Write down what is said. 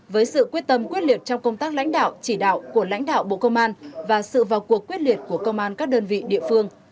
với sự quyết tâm quyết liệt trong công tác lãnh đạo chỉ đạo của lãnh đạo bộ công an và sự vào cuộc quyết liệt của công an các đơn vị địa phương